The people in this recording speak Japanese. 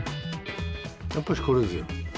やっぱしこれですよ。